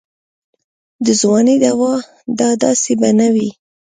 د ځوانۍ دوا دا داسې به نه وي.